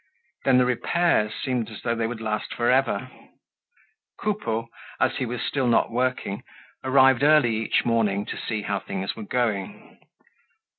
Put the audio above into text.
Then the repairs seemed as though they would last for ever. Coupeau, as he was still not working, arrived early each morning to see how things were going.